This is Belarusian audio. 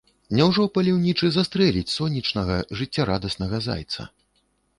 Няўжо паляўнічы застрэліць сонечнага, жыццярадаснага зайца?